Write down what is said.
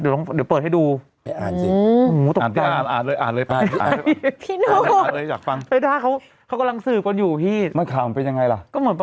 มีตึกอืมมีอะไรอยู่ส่างประเทศ